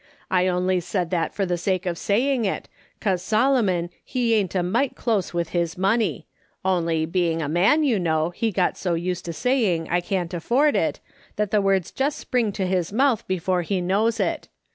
" I only said that for the sake of saying it, cause Solomon, he ain't a mite close with his money, only being a man, you know, he got so used to saying ' I can't afford it,' that the words jest spring to his mouth before he knows it.